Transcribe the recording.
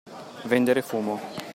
Vendere fumo.